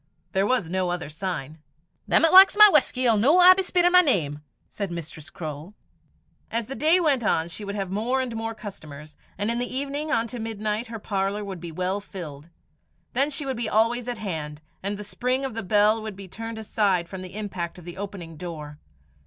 There was no other sign. "Them 'at likes my whusky 'ill no aye be speirin' my name," said Mistress Croale. As the day went on she would have more and more customers, and in the evening on to midnight, her parlour would be well filled. Then she would be always at hand, and the spring of the bell would be turned aside from the impact of the opening door.